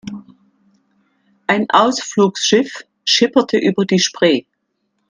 Ein Ausflugsschiff schipperte über die Spree.